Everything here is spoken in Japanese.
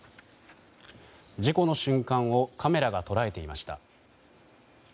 事故の瞬間をカメラが捉えていました。